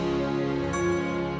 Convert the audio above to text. jangan lupa like share dan subscribe